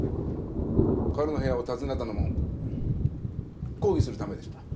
彼の部屋を訪ねたのも抗議するためでした。